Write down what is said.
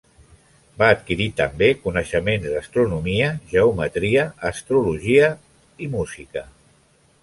Va adquirir també coneixements d'astronomia, geometria, astrologia, música.